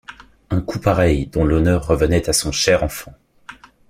Un coup pareil, dont l’honneur revenait à son cher enfant